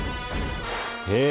え！